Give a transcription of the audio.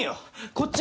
こっち！